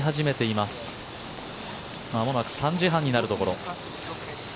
まもなく３時半になるところ。